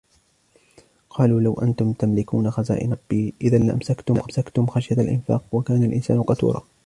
قُلْ لَوْ أَنْتُمْ تَمْلِكُونَ خَزَائِنَ رَحْمَةِ رَبِّي إِذًا لَأَمْسَكْتُمْ خَشْيَةَ الْإِنْفَاقِ وَكَانَ الْإِنْسَانُ قَتُورًا